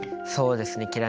そうですね。